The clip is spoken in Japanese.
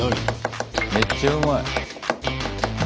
めっちゃうまい。